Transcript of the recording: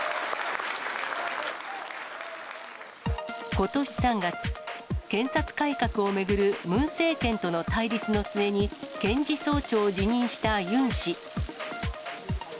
ことし３月、検察改革を巡るムン政権との対立の末に、検事総長を辞任したユン氏。